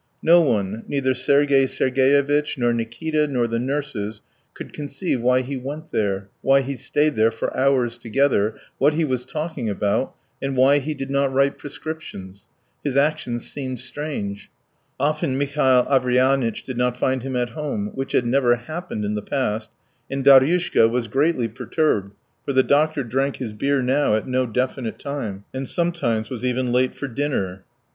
No one neither Sergey Sergevitch, nor Nikita, nor the nurses could conceive why he went there, why he stayed there for hours together, what he was talking about, and why he did not write prescriptions. His actions seemed strange. Often Mihail Averyanitch did not find him at home, which had never happened in the past, and Daryushka was greatly perturbed, for the doctor drank his beer now at no definite time, and sometimes was even late for dinner.